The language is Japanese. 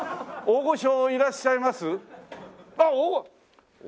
大御所いらっしゃいましたよ。